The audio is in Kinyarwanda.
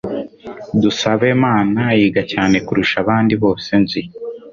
Dusabemana yiga cyane kurusha abandi bose nzi.